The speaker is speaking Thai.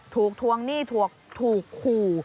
ถูกทวงหนี้ถูกคู่